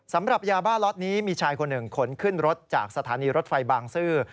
สำหรับยาบ้าล็อตนี้มีชายคนหนึ่งขนขึ้นรถจากสถานีรถไฟบางซื่อ